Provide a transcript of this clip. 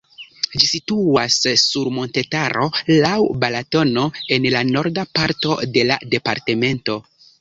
Ĝi situas sur montetaro laŭ Balatono en la norda parto de la departemento.